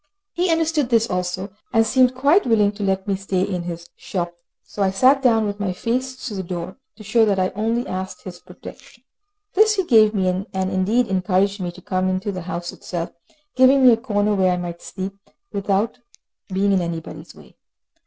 He understood this also, and seemed quite willing to let me stay in his shop, so I sat down, with my face to the door, to show that I only asked his protection. This he gave me, and indeed encouraged me to come into the house itself, giving me a corner where I might sleep, without being in anybody's way.